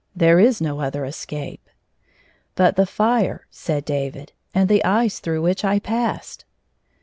There is no other escape." "But the fire," said David, "and the ice through which I passed."